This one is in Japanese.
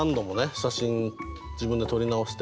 写真自分で撮り直して。